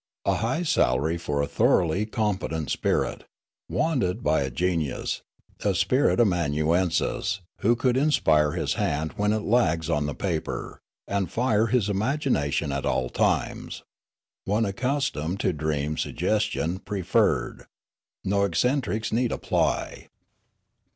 A high salary for a thoroughly competent spirit.' ' Wanted, by a genius, a spirit amanuensis, who could inspire his hand when it lags on the paper, and fire his imagination at all times. One accustomed to dream suggestion preferred. No eccentrics need apply.'